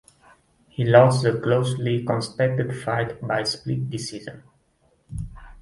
He lost the closely contested fight by split decision.